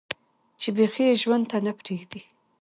چې بيخي ئې ژوند ته نۀ پرېږدي